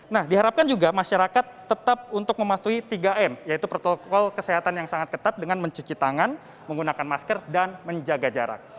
nah diharapkan juga masyarakat tetap untuk mematuhi tiga m yaitu protokol kesehatan yang sangat ketat dengan mencuci tangan menggunakan masker dan menjaga jarak